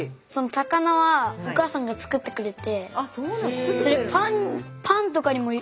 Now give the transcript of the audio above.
高菜はお母さんが作ってくれて。